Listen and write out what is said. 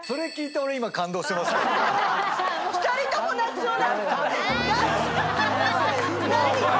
「２人とも泣きそう！」